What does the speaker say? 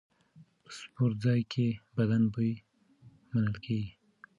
په سپورتځای کې بدن بوی منل کېږي.